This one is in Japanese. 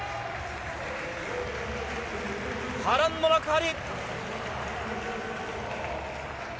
波乱の幕張。